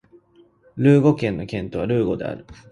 ルーゴ県の県都はルーゴである